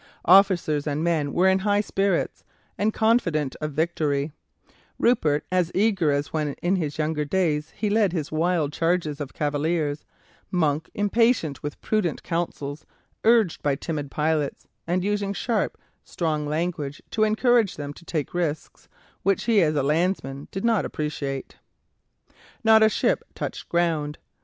Officers and men were in high spirits and confident of victory, Rupert as eager as when in his younger days he led his wild charges of cavaliers, Monk impatient with prudent counsels urged by timid pilots, and using sharp, strong language to encourage them to take risks which he as a landsman did not appreciate. Not a ship touched ground.